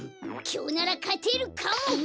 きょうならかてるかも！